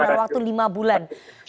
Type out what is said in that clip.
dalam waktu lima bulan